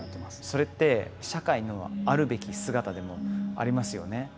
それって社会のあるべき姿でもありますよね？